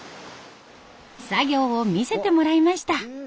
作業を見せてもらいました。